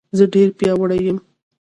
زه ډېر پیاوړی یم